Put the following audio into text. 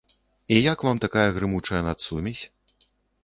І як вам такая грымучая нацсумесь?